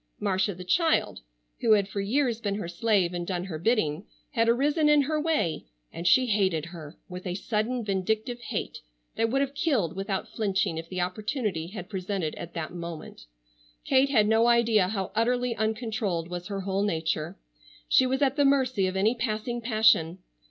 Marcia the child, who had for years been her slave and done her bidding, had arisen in her way, and she hated her with a sudden vindictive hate that would have killed without flinching if the opportunity had presented at that moment. Kate had no idea how utterly uncontrolled was her whole nature. She was at the mercy of any passing passion.